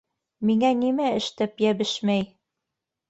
Миңә нимә эштәп йәбешмәй?!